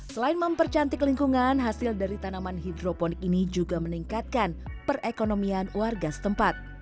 selain mempercantik lingkungan hasil dari tanaman hidroponik ini juga meningkatkan perekonomian warga setempat